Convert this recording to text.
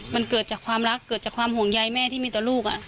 มันเกิดจากความรักเกิดจากความห่วงใยแม่ที่มีต่อลูก